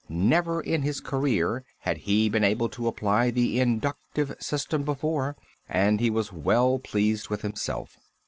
Never in his career had he been able to apply the inductive system before, and he was well pleased with himself.